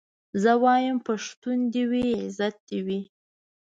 زه وايم پښتو دي وي عزت دي وي